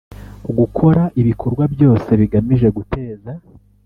Gukora ibikorwa byose bigamije guteza